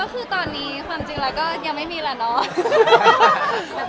ก็คือตอนนี้ความจริงละยังไม่มีละนล